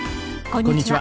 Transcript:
こんにちは。